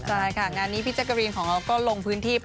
ใช่ค่ะงานนี้พี่แจ๊กกะรีนของเราก็ลงพื้นที่ไป